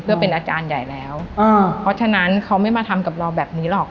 เพื่อเป็นอาจารย์ใหญ่แล้วเพราะฉะนั้นเขาไม่มาทำกับเราแบบนี้หรอก